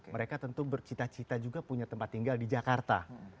mereka tentu bercita cita juga punya tempat tinggal di jakarta